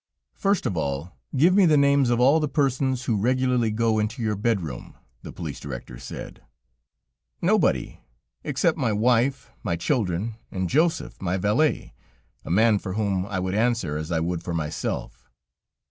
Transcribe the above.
] "First of all, give me the names of all the persons who regularly go into your bedroom," the police director said. "Nobody, except my wife, my children, and Joseph, my valet, a man for whom I would answer as I would for myself."